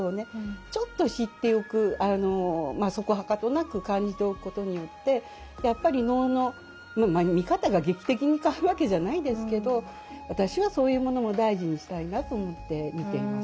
ちょっと知っておくそこはかとなく感じておくことによってやっぱり能のまあ見方が劇的に変わるわけじゃないですけど私はそういうものも大事にしたいなと思って見ています。